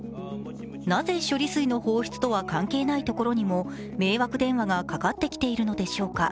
なぜ処理水の放出とは関係ないところにも迷惑電話がかかってきているのでしょうか。